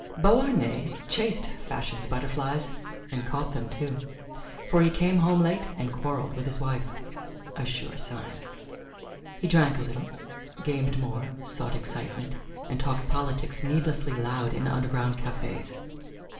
Beauharnais chased fashion's butterflies, and caught them, too, for he came home late and quarreled with his wife a sure sign. He drank a little, gamed more, sought excitement, and talked politics needlessly loud in underground cafes.